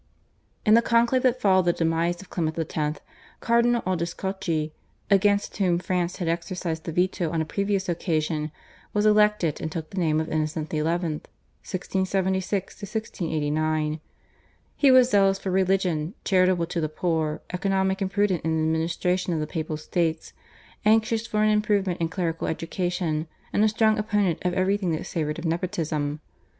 In the conclave that followed the demise of Clement X. Cardinal Odescalchi, against whom France had exercised the veto on a previous occasion, was elected and took the name of Innocent XI. (1676 1689). He was zealous for religion, charitable to the poor, economic and prudent in the administration of the Papal States, anxious for an improvement in clerical education, and a strong opponent of everything that savoured of nepotism.